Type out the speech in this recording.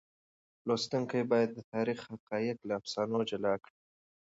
لوستونکي باید د تاریخ حقایق له افسانو جلا کړي.